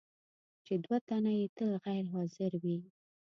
چې دوه تنه یې تل غیر حاضر وي.